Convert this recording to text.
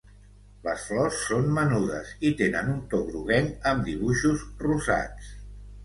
Les flors són menudes i tenen un to groguenc amb dibuixos rosats.